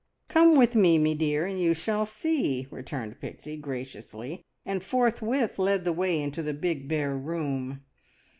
"Come with me, me dear, and you shall see," returned Pixie graciously, and forthwith led the way into the big, bare room.